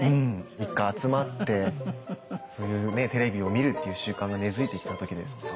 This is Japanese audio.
一家集まってそういうテレビを見るっていう習慣が根づいてきた時ですもんね。